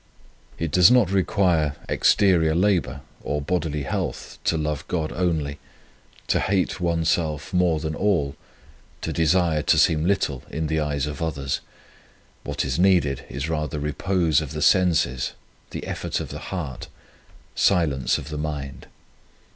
It does not require exterior labour or bodily health to love God only, to hate oneself more 95 On Union with God than all, to desire to seem little in the eyes of others : what is needed is rather repose of the senses, the effort of the heart, silence of the mind.